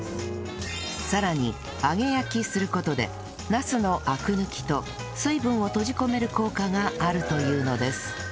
さらに揚げ焼きする事でナスのアク抜きと水分を閉じ込める効果があるというのです